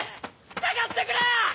・捜してくれ！